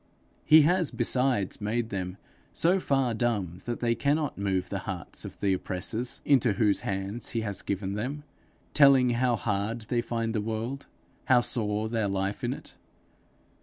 He has besides made them so far dumb that they cannot move the hearts of the oppressors into whose hands he has given them, telling how hard they find the world, how sore their life in it.